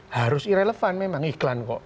harus irelevan memang iklan kok